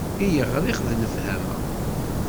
I yeɣriɣ d lefhama.